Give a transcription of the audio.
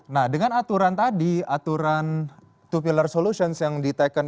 nah dengan aturan tadi aturan dua pillar solutions yang di taken